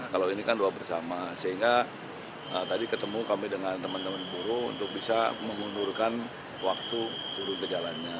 kalau ini kan doa bersama sehingga tadi ketemu kami dengan teman teman buruh untuk bisa mengundurkan waktu turun ke jalannya